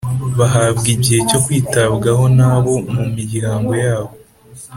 Bahabwa igihe cyo kwitabwaho nabo mu miryango yabo